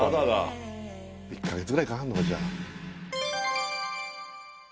１か月くらいかかんのかじゃあ。